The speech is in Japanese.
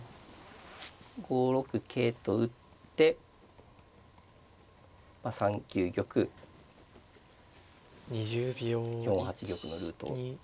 ５六桂と打って３九玉４八玉のルートを。